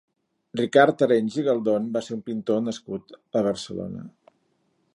Ricard Arenys i Galdon va ser un pintor nascut a Barcelona.